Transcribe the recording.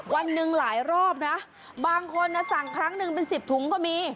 วันหนึ่งหลายรอบนะบางคนสั่งครั้งหนึ่งเป็น๑๐ถุงก็มี